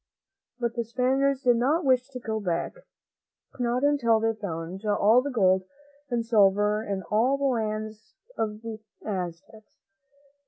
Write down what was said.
But the Spaniards did not wish to go back, not until they had found all the gold and silver in all the land of the Aztecs.